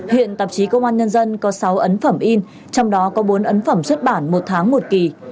hiện tạp chí công an nhân dân có sáu ấn phẩm in trong đó có bốn ấn phẩm xuất bản một tháng một kỳ